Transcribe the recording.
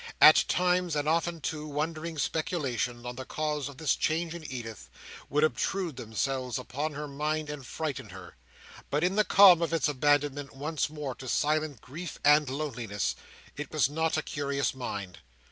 At times, and often too, wondering speculations on the cause of this change in Edith, would obtrude themselves upon her mind and frighten her; but in the calm of its abandonment once more to silent grief and loneliness, it was not a curious mind.